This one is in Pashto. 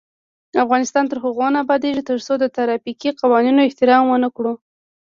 افغانستان تر هغو نه ابادیږي، ترڅو د ترافیکي قوانینو احترام ونکړو.